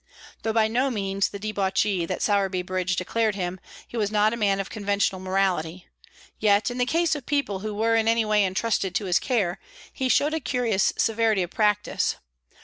Though by no means the debauchee that Sowerby Bridge declared him, he was not a man of conventional morality; yet, in the case of people who were in any way entrusted to his care, he showed a curious severity of practice.